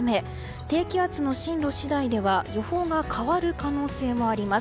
低気圧の進路次第では予報が変わる可能性もあります。